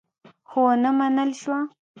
خو ونه منل شوه.